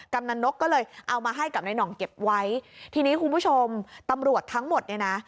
กำลังนกก็เลยเอามาให้กับนายหน่องเก็บไว้ทีนี้คุณผู้ชมตำรวจทั้งหมดเนี่ยนะ